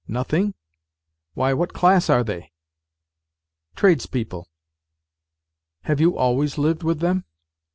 " Nothing ? Why, what class are they ?" "Tradespeople."' " Have you always lived with them